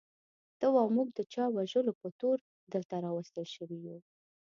ته وا موږ د چا د وژلو په تور دلته راوستل شوي یو.